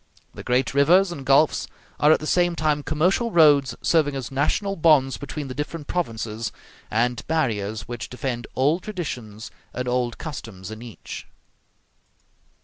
The great rivers and gulfs are at the same time commercial roads serving as national bonds between the different provinces, and barriers which defend old traditions and old customs in each.